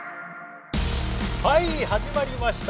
はい始まりました。